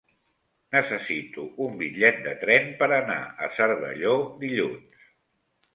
Necessito un bitllet de tren per anar a Cervelló dilluns.